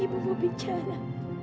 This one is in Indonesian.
ibu mau bicara